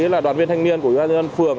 là đoàn viên thanh niên của văn phường